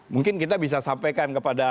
mungkin kita bisa sampaikan kepada